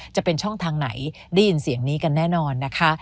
จะเป็นช่องทางไหนได้ยินเสียงนี้กันแน่นอนนะคะ